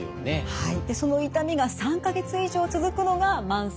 はい。